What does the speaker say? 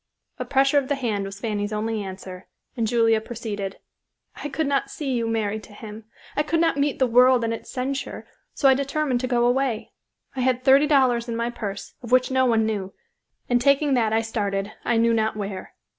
A pressure of the hand was Fanny's only answer, and Julia proceeded: "I could not see you married to him. I could not meet the world and its censure, so I determined to go away. I had thirty dollars in my purse, of which no one knew, and taking that I started, I knew not where.